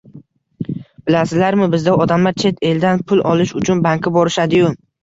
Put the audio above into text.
Bilasizlarmi bizda odamlar chet eldan pul olish uchun bankka borishadiyu